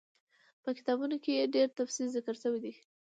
په کتابونو کي ئي ډير تفصيل ذکر شوی دی